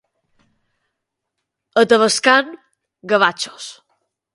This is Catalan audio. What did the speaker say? A Tavascan, gavatxos.